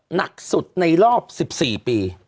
หนักสุดในรอบ๑๔ปี